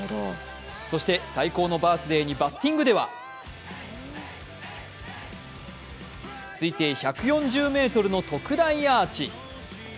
そして最高のバースデーにバッティングでは推定１４０ｍの特大アーチ。